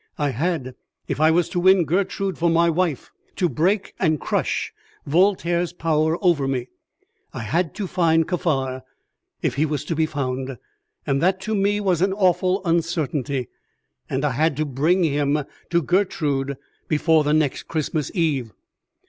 I had, if I was to win Gertrude for my wife, to break and crush Voltaire's power over me. I had to find Kaffar, if he was to be found, and that to me was an awful uncertainty, and I had to bring him to Gertrude before the next Christmas Eve.